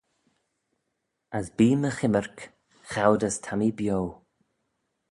As bee my chymmyrk choud as ta mee bio.